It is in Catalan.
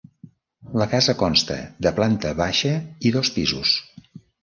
La casa consta de planta baixa i dos pisos.